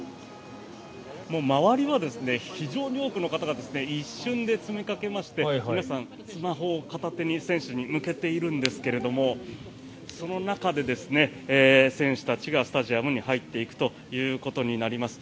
周りは非常に多くの方が一瞬で詰めかけまして皆さん、スマホを片手に選手に向けているんですけどその中で選手たちがスタジアムに入っていくということになります。